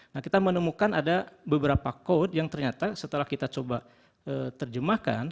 nah kita menemukan ada beberapa code yang ternyata setelah kita coba terjemahkan